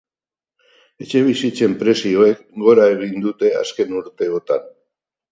Etxebizitzen prezioek gora egin dute azken urteotan.